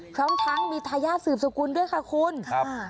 ครั้งมีทายาทสืบสุขุนด้วยค่ะคุณครับ